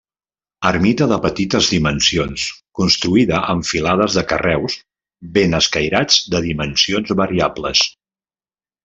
Ermita de petites dimensions construïda amb filades de carreus ben escairats de dimensions variables.